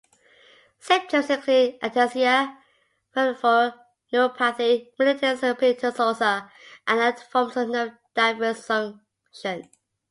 Symptoms include ataxia, peripheral neuropathy, retinitis pigmentosa and other forms of nerve dysfunction.